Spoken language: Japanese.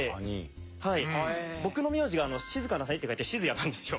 僕の名字が静かな谷って書いて静谷なんですよ。